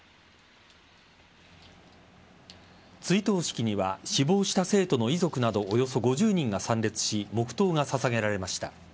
追悼式には死亡した生徒の遺族などおよそ５０人が参列し黙とうが捧げられました。